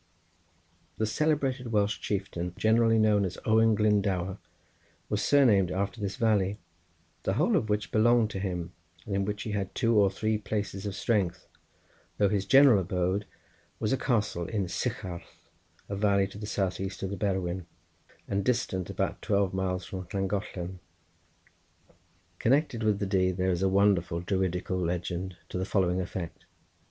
The celebrated Welsh chieftain, generally known as Owen Glendower, was surnamed after the valley, the whole of which belonged to him, and in which he had two or three places of strength, though his general abode was a castle in Sycharth, a valley to the south east of the Berwyn, and distant about twelve miles from Llangollen. Connected with the Dee there is a wonderful Druidical legend to the following effect.